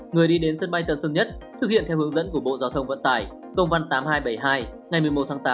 người đi đến sân bay tân sơn nhất thực hiện theo hướng dẫn của bộ giao thông vận tải công văn tám nghìn hai trăm bảy mươi hai ngày một mươi một tháng tám